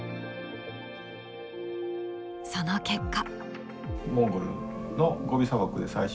その結果。